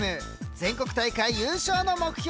全国大会優勝の目標